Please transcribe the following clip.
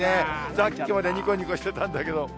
さっきまでにこにこしてたんだけど。